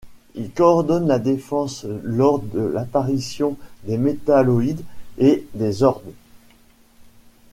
Il coordonne la défense lors de l'apparition des metaloïdes et des zords.